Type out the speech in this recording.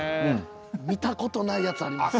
見たことないやつあります。